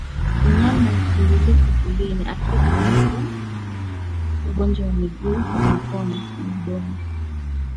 Mnyama hukimbilia kivulini akiwa anaugua ugonjwa wa miguu na midomo